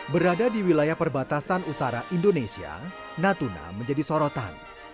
berada di wilayah perbatasan utara indonesia natuna menjadi sorotan